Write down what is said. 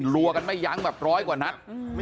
รวมกันไม่ยั้งแบบร้อยกว่านัด